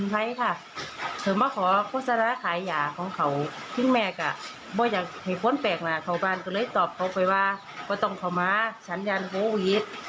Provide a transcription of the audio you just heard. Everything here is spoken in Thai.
อ๋อโฮยน่าเห็นใจ